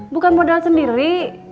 bukan modal sendiri